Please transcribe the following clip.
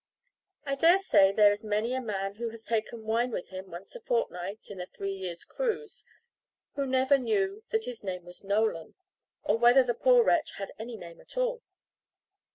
I dare say there is many a man who has taken wine with him once a fortnight, in a three years' cruise, who never knew that his name was "Nolan," or whether the poor wretch had any name at all.